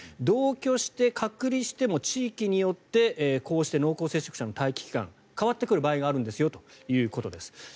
同居して隔離しても地域によってこうして濃厚接触者の待機期間変わってくる場合があるんですよということです。